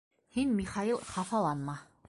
- Һин, Михаил, хафаланма.